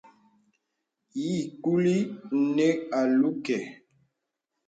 Ìì kùlì nə̀ àlū kɛ̄.